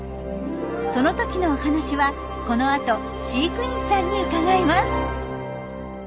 その時のお話はこの後飼育員さんに伺います！